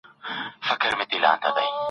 سفیران به ګډي ناستي جوړوي.